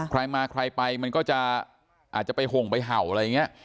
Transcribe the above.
ใครมาใครไปมันก็จะอาจจะไปห่งไปเห่าอะไรอย่างนี้